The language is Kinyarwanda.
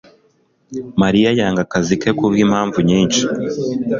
Mariya yanga akazi ke kubwimpamvu nyinshi